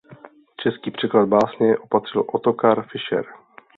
Český překlad básně opatřil Otokar Fischer.